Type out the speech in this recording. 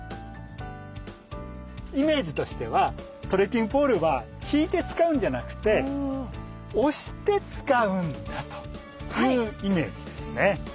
イメージとしてはトレッキングポールは引いて使うんじゃなくて押して使うんだというイメージですね。